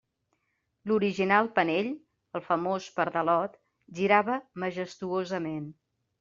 L'original penell, el famós pardalot, girava majestuosament.